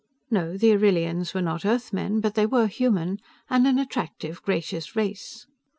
No, the Arrillians were not Earthmen, but they were human, and an attractive, gracious race.